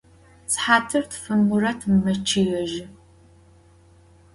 Sıhatır tfım Murat meççıêjı.